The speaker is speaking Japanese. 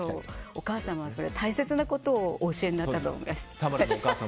お母様は大切なことをお教えになったと思います。